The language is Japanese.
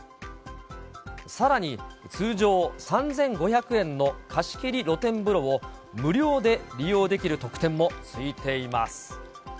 さらに、通常３５００円の貸し切り露天風呂を無料で利用できる特典もついています。